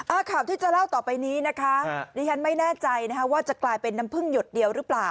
ข่าวที่จะเล่าต่อไปนี้นะคะดิฉันไม่แน่ใจนะคะว่าจะกลายเป็นน้ำพึ่งหยดเดียวหรือเปล่า